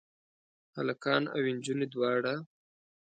هلکان او انجونې دواړه؟